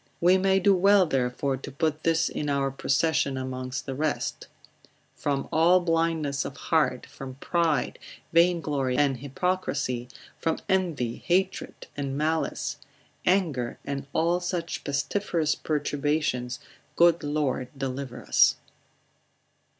We may do well therefore to put this in our procession amongst the rest; From all blindness of heart, from pride, vainglory, and hypocrisy, from envy, hatred and malice, anger, and all such pestiferous perturbations, good Lord deliver us.